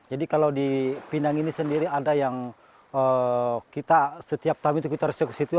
jadi kalau di pinang ini sendiri ada yang kita setiap tahun kita harus jelaskan ke situ